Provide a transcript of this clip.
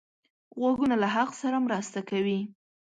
غوږونه له حق سره مرسته کوي